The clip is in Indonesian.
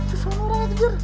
ke sana orangnya kejar